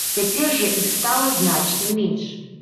Цяпер жа іх стала значна менш.